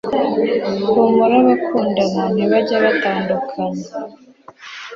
Humura abakundana ntibajya batandukana!